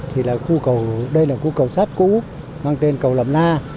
thì đây là khu cầu sát của úc hoang tên cầu lâm la